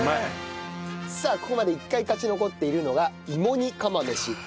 さあここまで１回勝ち残っているのが芋煮釜飯。